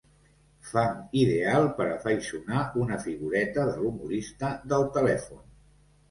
Fang ideal per afaiçonar una figureta de l'humorista del telèfon.